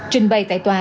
trình bày tại tòa